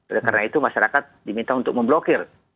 oleh karena itu masyarakat diminta untuk memblokir